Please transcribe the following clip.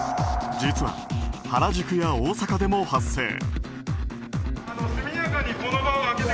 実は、原宿や大阪でも発生。